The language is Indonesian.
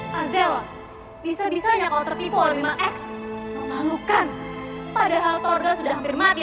hai azela bisa bisanya kau tertipu oleh max memalukan padahal torda sudah hampir mati